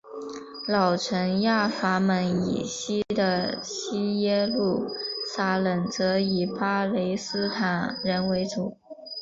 老城雅法门以西的西耶路撒冷则以巴勒斯坦人为主。